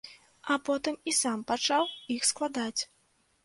А потым і сам пачаў іх складаць.